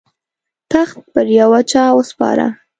تخت پر یوه چا وسپاره.